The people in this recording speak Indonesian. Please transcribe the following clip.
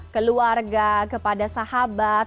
keluarga kepada sahabat